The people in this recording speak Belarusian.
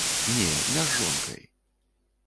Не, не з жонкай.